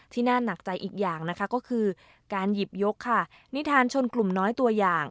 ที่น่าหนักใจอีกอย่างนะคะก็คือการหยิบยกค่ะนิทานชนกลุ่มน้อยตัวอย่าง